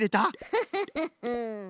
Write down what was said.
フフフフ。